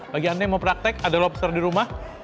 bagi anda yang mau praktek ada lobster di rumah